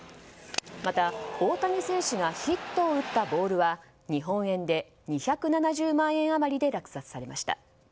また、大谷選手がヒットを打ったボールは日本円で２７０万円余りで落札されました。